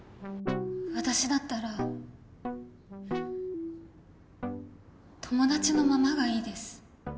私だったら友達のままがいいです